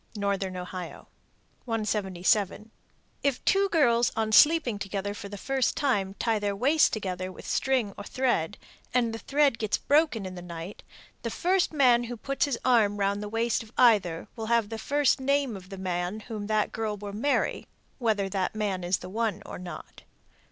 Northern Ohio. 177. If two girls on sleeping together for the first time tie their waists together with string or thread, and the thread gets broken in the night, the first man who puts his arm round the waist of either will have the first name of the man whom that girl will marry, whether that man is the one or not.